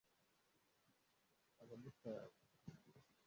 Abamotari